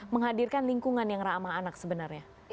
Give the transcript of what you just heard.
menghadirkan lingkungan yang ramah anak sebenarnya